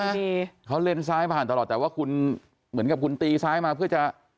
ดีเขาเลนซ้ายผ่านตลอดแต่ว่าคุณเหมือนกับคุณตีซ้ายมาเพื่อจะ